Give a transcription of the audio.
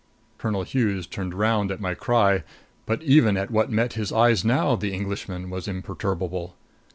Colonel Hughes turned round at my cry, but even at what met his eyes now that Englishman was imperturbable.